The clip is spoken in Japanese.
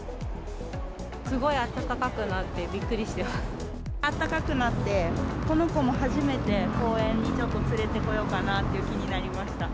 すごいあったかかったなって、暖かくなって、この子も初めて公園にちょっと連れてこようかなっていう気になりました。